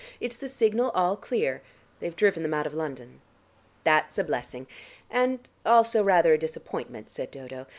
It's the signal 'all clear.' They've driven them out of London." "That's a blessing, and also rather a disappointment," said Dodo.